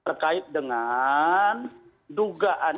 berkait dengan dugaan